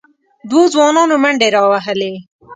دوو ځوانانو منډې راوهلې،